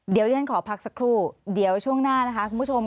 เดี๋ยวฉันขอพักสักครู่เดี๋ยวช่วงหน้านะคะคุณผู้ชม